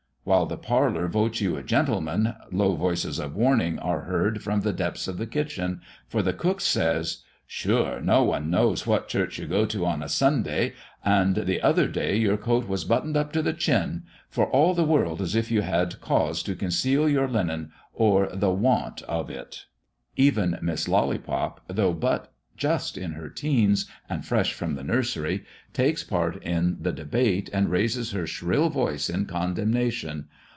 While the parlour votes you a gentleman, low voices of warning are heard from the depths of the kitchen; for the cook says: "Sure no one knows what church you go to on a Sunday; and the other day your coat was buttoned up to the chin; for all the world as if you had cause to conceal your linen or the want of it." Even Miss Lollypop, though but just in her teens, and fresh from the nursery, takes part in the debate, and raises her shrill voice in condemnation.